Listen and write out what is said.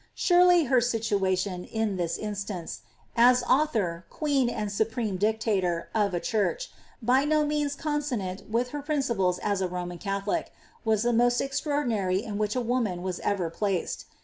Surely her •itoation, in this instance, as author, queen, and supreme dictator, of a church, by no means consonant with her principles as a Roman Catholic, waa the most extraordinary in which a woman was ever placed.